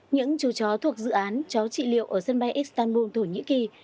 những chú chó thuộc dự án chó trị liệu ở sân bay istanbul thổ nhĩ kỳ